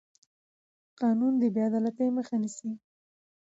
قانون د بې عدالتۍ مخه نیسي